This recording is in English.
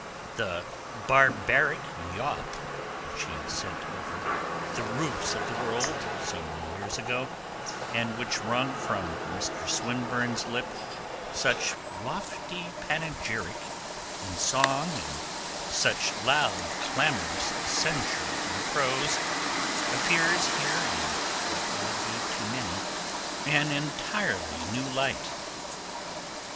The 'barbaric yawp' which he sent over 'the roofs of the world' so many years ago, and which wrung from Mr. Swinburne's lip such lofty panegyric in song and such loud clamorous censure in prose, appears here in what will be to many an entirely new light.